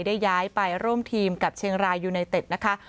ได้ย้ายไปร่วมทีมกับเชียงรายยูไนเต็ดนะคะ